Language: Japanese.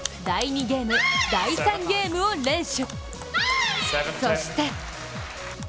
第２ゲーム、第３ゲームを連取。